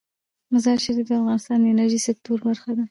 مزارشریف د افغانستان د انرژۍ سکتور برخه ده.